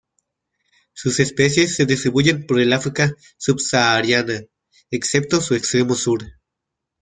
Sus especies se distribuyen por el África subsahariana, excepto su extremo sur.